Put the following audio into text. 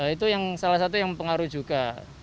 itu salah satu yang pengaruh juga